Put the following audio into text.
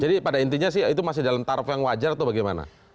jadi pada intinya sih itu masih dalam tarif yang wajar atau bagaimana